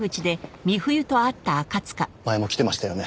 前も来てましたよね？